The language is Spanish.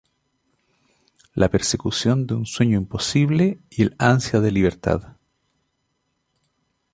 La persecución de un sueño imposible y el ansia de libertad.